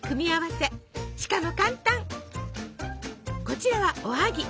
こちらはおはぎ。